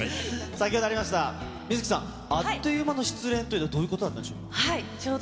先ほどありました、観月さん、あっという間の失恋っていうのはどういうことだったんでしょう。